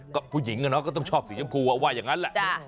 ก็ผู้หญิงก็ต้องชอบสีชมพูว่าว่าอย่างนั้นแหละ